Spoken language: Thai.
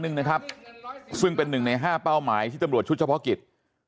หนึ่งนะครับซึ่งเป็นหนึ่งในห้าเป้าหมายที่ตำรวจชุดเฉพาะกิจ